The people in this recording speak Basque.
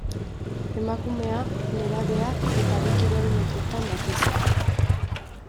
Emakumea, nerabea eta bi kirol motetan batez ere.